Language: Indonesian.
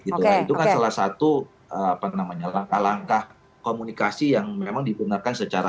itu kan salah satu langkah langkah komunikasi yang memang dibenarkan secara